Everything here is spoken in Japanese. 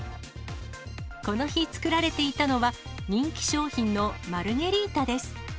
この日作られていたのは、人気商品のマルゲリータです。